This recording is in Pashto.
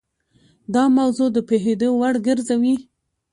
دا موضوع د پوهېدو وړ ګرځوي.